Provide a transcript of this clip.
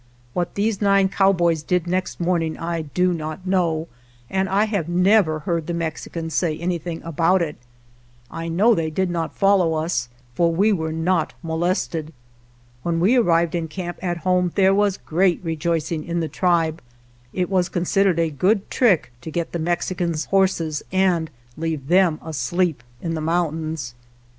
What these nine cowboys did next morning I do not know, and I have never heard the Mexicans say anything about it; I know they did not follow us, for we were not molested. When we arrived in camp at home there was great rejoicing in the tribe. It was considered a good trick to get the Mexicans' horses and leave them asleep in the mountains.